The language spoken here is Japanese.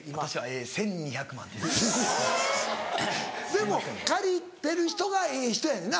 ・えっ・でも借りてる人がええ人やねんな。